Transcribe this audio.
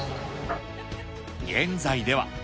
現在では。